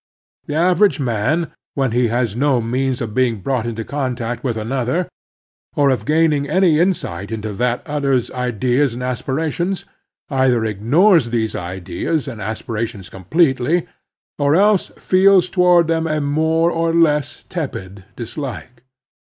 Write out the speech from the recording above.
The average man, when he has no means of being brought into con tact with another, or of gaining any insight into that other's ideas and aspirations, either ignores these ideas and aspirations completely, or else feels toward them a more or less tepid dislike.